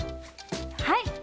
はい。